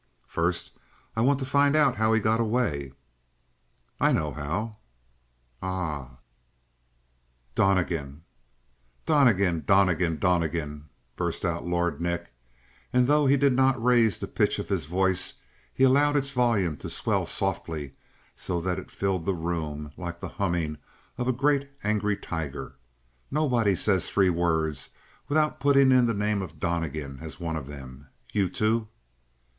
"First, I want to find out how he got away." "I know how." "Ah?" "Donnegan." "Donnegan, Donnegan, Donnegan!" burst out Lord Nick, and though he did not raise the pitch of his voice, he allowed its volume to swell softly so that it filled the room like the humming of a great, angry tiger. "Nobody says three words without putting in the name of Donnegan as one of them! You, too!"